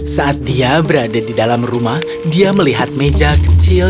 saat dia berada di dalam rumah dia melihat meja kecil